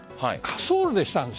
ソウルでした。